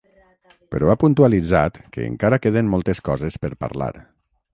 Però ha puntualitzat que ‘encara queden moltes coses per parlar’.